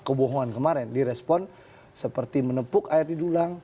kebohongan kemarin direspon seperti menepuk air di dulang